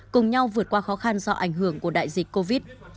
cùng nhau vượt qua khó khăn do ảnh hưởng của đại dịch covid